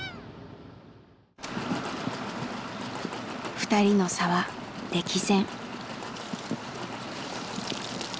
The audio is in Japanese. ２人の差は歴然。